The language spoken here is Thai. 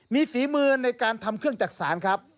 มีฝีมือในการทำเครื่องจักษานครับ